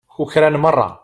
Kukran merra.